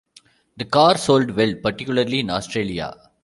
The car sold well, particularly in Australia.